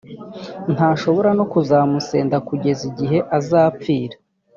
ntashobora no kuzamusenda kugeza igihe azapfira.